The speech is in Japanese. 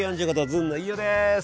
ずんの飯尾です。